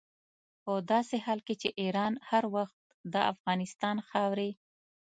په داسې حال کې چې ایران هر وخت د افغانستان خاورې.